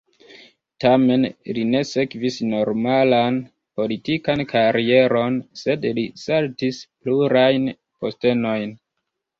Tamen, li ne sekvis normalan politikan karieron, sed li saltis plurajn postenojn.